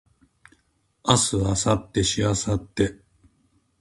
明日明後日しあさって